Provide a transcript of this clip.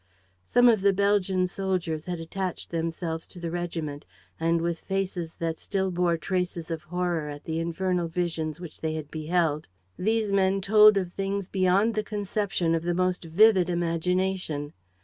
Some of the Belgian soldiers had attached themselves to the regiment; and, with faces that still bore traces of horror at the infernal visions which they had beheld, these men told of things beyond the conception of the most vivid imagination.